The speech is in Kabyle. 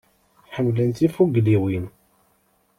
Ḥemmlen tifugliwin.